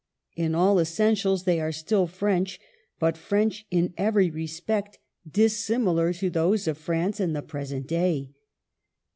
In all essentials they are still French ; but French in every respect dissimilar to those of France in the present day.